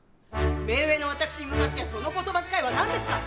目上の私に向かってその言葉遣いは何ですか！